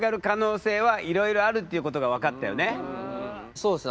そうですね。